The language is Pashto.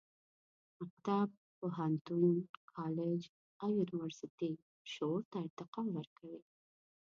مکتب، پوهنتون، کالج او یونیورسټي شعور ته ارتقا ورکوي.